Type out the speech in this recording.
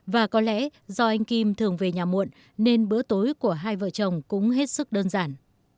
và có lẽ do anh kim thường về nhà muộn nên bữa tối của hai vợ chồng cũng hết sức đơn giản